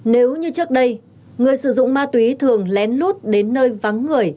nếu như trước đây người sử dụng ma túy thường lén lút đến nơi vắng người